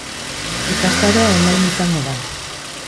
Ikastaroa online izango da.